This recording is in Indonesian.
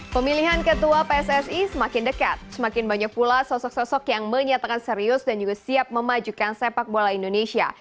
pemilihan ketua pssi semakin dekat semakin banyak pula sosok sosok yang menyatakan serius dan juga siap memajukan sepak bola indonesia